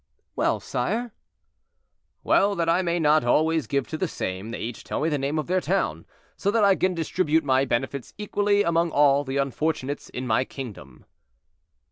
"Well, sire?" "Well, that I may not always give to the same, they each tell me the name of their town, so that I can distribute my benefits equally among all the unfortunates in my kingdom."